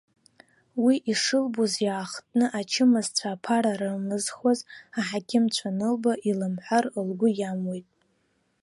Уи, ишылбоз иаахтны ачымазцәа аԥара рымызхуаз аҳақьымцәа анылба, илымҳәар лгәы иамуит.